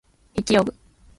筆記用具